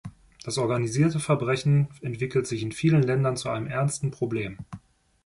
Das organisierte Verbrechen entwickelt sich in vielen Ländern zu einem ernsten Problem.